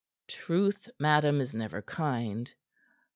"Truth, madam, is never kind."